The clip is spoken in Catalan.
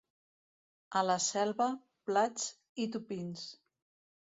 A la Selva, plats i tupins.